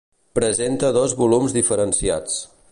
Presenta dos volums diferenciats.